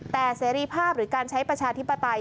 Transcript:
แต่เสรีภาพหรือการใช้ประชาธิปไตย